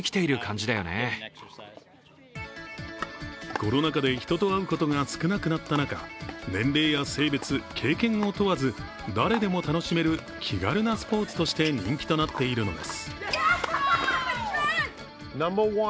コロナ禍で、人と会うことが少なくなった中、年齢や性別、経験を問わず誰でも楽しめる気軽なスポーツとして人気となっているのです。